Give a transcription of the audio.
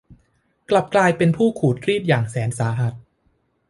กลับกลายเป็นผู้ถูกขูดรีดอย่างแสนสาหัส